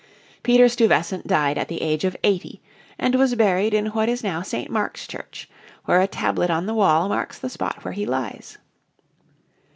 Peter Stuyvesant died at the age of eighty, and was buried in what is now St. Mark's Church, where a tablet on the wall marks the spot where he lies.